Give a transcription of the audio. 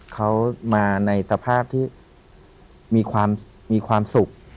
เขามาในสภาพที่มีความสุข